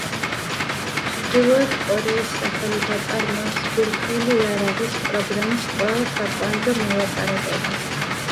ჩრდილოეთ კორეის სახელით აწარმოებს ბირთვული იარაღის პროგრამის ყველა საკვანძო მოლაპარაკებას.